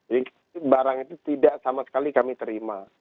jadi barang itu tidak sama sekali kami terima